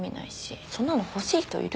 そんなの欲しい人いる？